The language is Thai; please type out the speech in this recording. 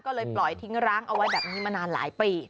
ก็เลยปล่อยทิ้งร้างเอาไว้แบบนี้มานานหลายปี